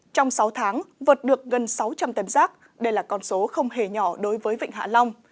trong sáu tháng vượt được gần sáu trăm linh tấn rác đây là con số không hề nhỏ đối với vịnh hạ long